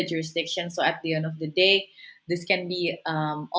dalam dirinya sendiri tapi sebenarnya